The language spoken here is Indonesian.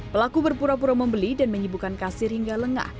pelaku berpura pura membeli dan menyibukkan kasir hingga lengah